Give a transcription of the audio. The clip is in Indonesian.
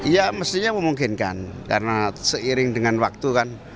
ya mestinya memungkinkan karena seiring dengan waktu kan